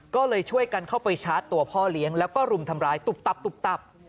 ก็เลยช่วยกันเข้าไปชาร์จตัวพ่อเลี้ยงแล้วก็รุมทำร้ายตุ๊บตับตุ๊บตับ